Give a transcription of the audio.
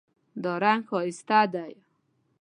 دا رنګ ښایسته ده